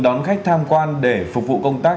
đón khách tham quan để phục vụ công tác